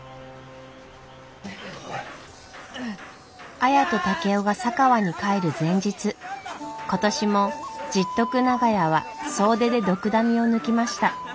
綾と竹雄が佐川に帰る前日今年も十徳長屋は総出でドクダミを抜きました。